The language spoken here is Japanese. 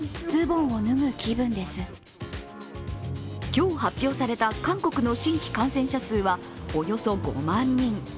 今日発表された韓国の新規感染者数はおよそ５万人。